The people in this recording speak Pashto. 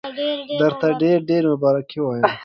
درته ډېر ډېر مبارکي وایم.